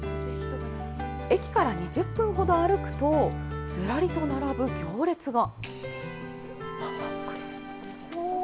駅から２０分ほど歩くと、ずらりと並ぶ行列が。